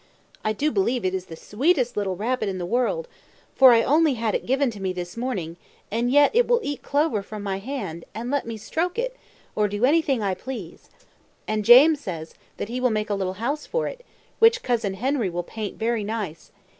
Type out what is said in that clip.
I do believe it is the sweetest little rabbit in the world; for I only had it given to me this morning, and yet it will eat clover from my hand, and let me stroke it, or do any thing I please. And James says that he will make a little house for it, which cousin Henry will paint very nice.